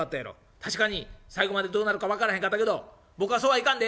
「確かに最後までどうなるか分からへんかったけど僕はそうはいかんで。